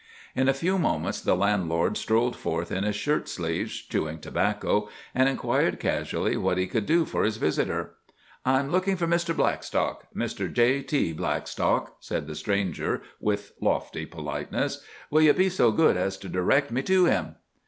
In a few moments the landlord strolled forth in his shirt sleeves, chewing tobacco, and inquired casually what he could do for his visitor. "I'm looking for Mr. Blackstock—Mr. J. T. Blackstock," said the stranger with lofty politeness. "Will you be so good as to direct me to him?"